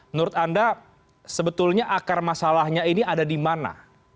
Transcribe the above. menurut anda sebetulnya akar masalahnya ini ada di mana